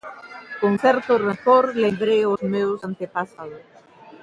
Cun certo rancor lembrei ós meus antepasados.